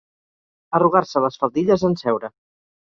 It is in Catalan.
Arrugar-se les faldilles en seure.